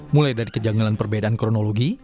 mulai dari kejanggalan perbedaan kronologi